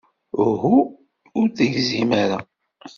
Uhu, ur tegzim ara.